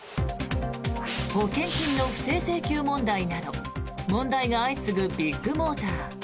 保険金の不正請求問題など問題が相次ぐビッグモーター。